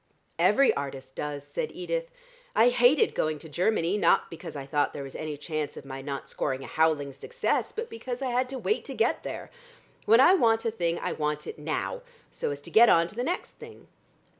"Every artist does," said Edith. "I hated going to Germany, not because I thought there was any chance of my not scoring a howling success, but because I had to wait to get there. When I want a thing I want it now, so as to get on to the next thing."